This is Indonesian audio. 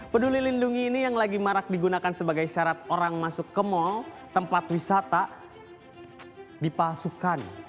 peduli lindungi ini yang lagi marak digunakan sebagai syarat orang masuk ke mal tempat wisata dipalsukan